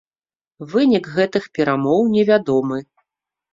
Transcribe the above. Вынік гэтых перамоваў невядомы.